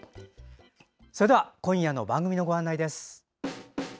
それでは今夜の番組のご案内です。